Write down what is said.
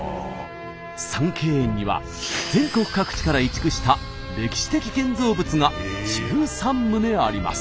三溪園には全国各地から移築した歴史的建造物が１３棟あります。